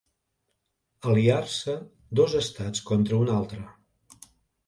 Aliar-se dos estats contra un altre.